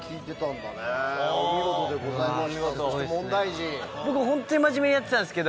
お見事でございました。